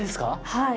はい。